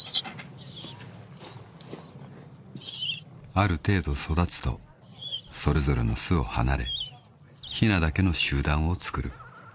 ［ある程度育つとそれぞれの巣を離れひなだけの集団をつくる］